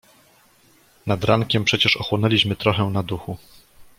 "Nad rankiem przecież ochłonęliśmy trochę na duchu."